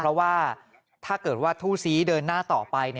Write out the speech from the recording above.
เพราะว่าถ้าเกิดว่าทู่ซี้เดินหน้าต่อไป